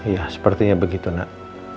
ya sepertinya begitu nak